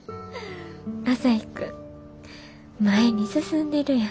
朝陽君前に進んでるやん。